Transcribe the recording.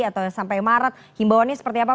atau sampai maret himbawannya seperti apa